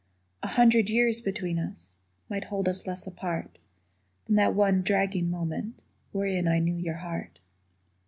A hundred years between us Might hold us less apart Than that one dragging moment Wherein I knew your heart.